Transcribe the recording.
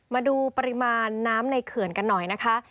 มาดูปริมาณน้ำในเขื่อนกันหน่อยนะคะ